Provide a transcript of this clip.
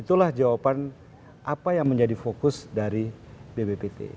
itulah jawaban apa yang menjadi fokus dari bbpt